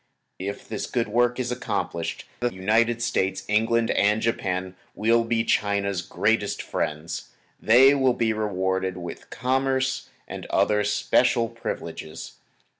If this good work is accomplished, the United States, England and Japan will be China's greatest friends. They will be rewarded with commerce and other special privileges.